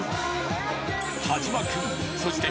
［田島君そして］